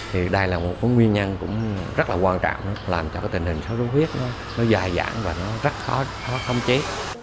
thì đây là một nguyên nhân cũng rất là quan trọng làm cho cái tình hình suốt suốt huyết nó dài dãng và nó rất khó phòng chế